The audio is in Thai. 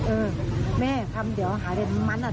เออแม่ทำเดี๋ยวหาเงินมันอ่ะโทรมาหาแม่มัน